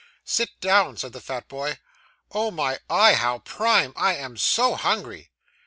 'Sit down,' said the fat boy. 'Oh, my eye, how prime! I am so hungry.